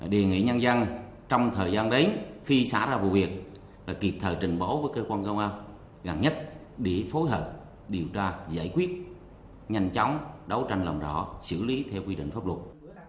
đề nghị nhân dân trong thời gian đến khi xảy ra vụ việc kịp thời trình báo với cơ quan công an gần nhất để phối hợp điều tra giải quyết nhanh chóng đấu tranh làm rõ xử lý theo quy định pháp luật